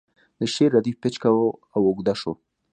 د شعر ردیف پیچکه و او اوږد شو